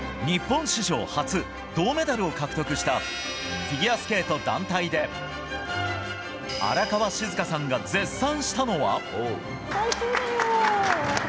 日本史上初銅メダルを獲得したフィギュアスケート団体で荒川静香さんが絶賛したのは。